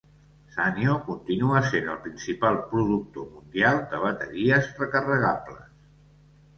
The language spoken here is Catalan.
Sanyo continua sent el principal productor mundial de bateries recarregables.